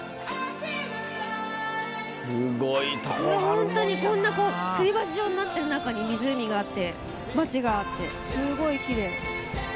ホントにこんなすり鉢状になってる中に湖があって街があってすごいキレイ。